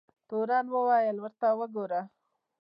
تورن وویل ورته وګوره.